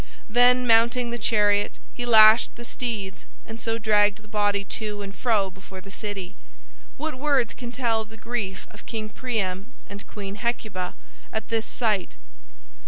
Then mounting the chariot he lashed the steeds and so dragged the body to and fro before the city. What words can tell the grief of King Priam and Queen Hecuba at this sight!